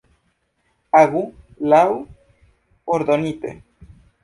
Agu laŭ ordonite.